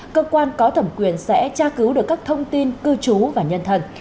cơ quan có thẩm quyền sẽ tra cứu được các thông tin cư trú và nhân thần